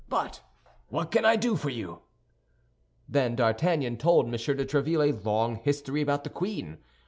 But what can I do for you?" Then D'Artagnan told M. de Tréville a long history about the queen.